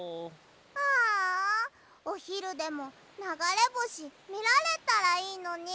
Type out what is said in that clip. ああおひるでもながれぼしみられたらいいのに。